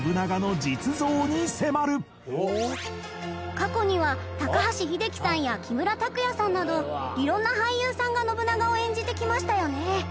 過去には高橋英樹さんや木村拓哉さんなど色んな俳優さんが信長を演じてきましたよね。